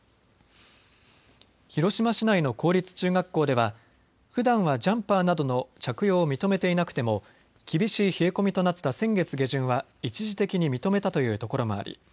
広島市内の公立中学校ではふだんはジャンパーなどの着用を認めていなくても厳しい冷え込みとなった先月下旬は一時的に認めたというところもあり